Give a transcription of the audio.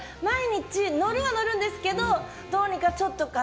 毎日乗るは乗るんですけどどうにかちょっと。